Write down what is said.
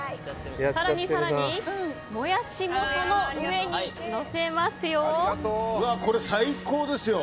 更に更に、モヤシもその上にのせますよ。